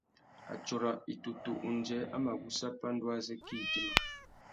Atsôra itutu undjê a mà gussa pandú azê kā idjima.